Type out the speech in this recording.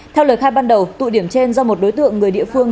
theo lời khai ban đầu tụ điểm trên do một đối tượng người địa phương